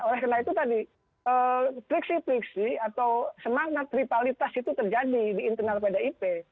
oleh karena itu tadi fliksi fliksi atau semangat tripalitas itu terjadi di internal pdip